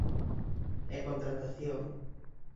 E contratación.